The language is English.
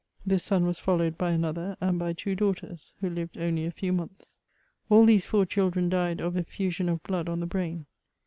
This son was followed by another and by two daughters, who lived only a few months. All these four children died of effusion of blood on the brain.